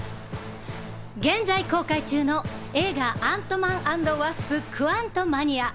現在公開中の映画『アントマン＆ワスプ：クアントマニア』。